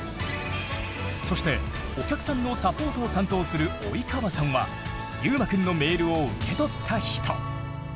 そしてお客さんのサポートを担当する及川さんはゆうまくんのメールを受け取った人。